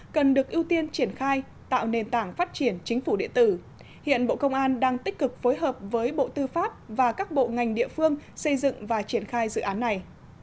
cần được ưu tiên triển khai tạo nền tảng phát triển chính phủ điện tử hiện bộ công an đang tích cực phối hợp với bộ tư pháp và các bộ ngành địa phương xây dựng và triển khai dự án này